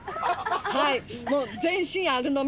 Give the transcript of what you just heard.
はい。